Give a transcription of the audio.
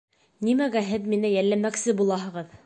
— Нимәгә һеҙ мине йәлләмәксе булаһығыҙ?!